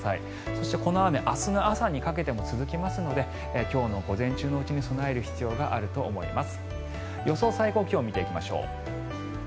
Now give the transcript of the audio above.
そしてこの雨明日の朝にかけても続きますので今日の午前中のうちに備える必要があると思います。